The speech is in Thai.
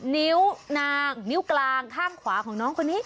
นิ้วนางนิ้วกลางข้างขวาของน้องคนนี้